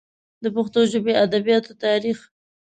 د پښتو ژبې ادبیاتو تاریخ